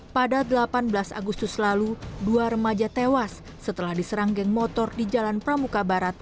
pada delapan belas agustus lalu dua remaja tewas setelah diserang geng motor di jalan pramuka barat